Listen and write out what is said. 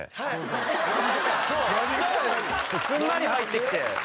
すんなり入ってきて。